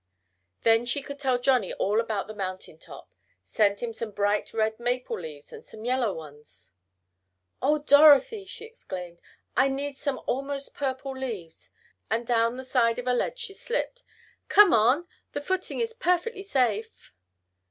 Then she could tell Johnnie all about the mountain top send him some bright red maple leaves, and some yellow ones. "Oh, Dorothy!" she exclaimed. "I see some almost purple leaves," and down the side of a ledge she slipped. "Come on! The footing is perfectly safe."